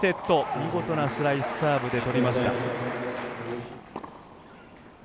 見事なスライスサーブで取りました。